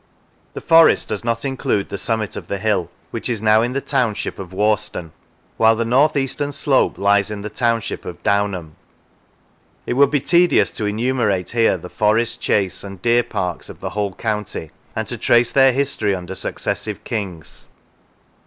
The forest does not include the summit of the hill, which is now in the township of Worston, while the north eastern slope lies in the township of Downham. It would be tedious to enumerate here the forests, chases, and deer parks of the whole county, and to trace their history under successive kings.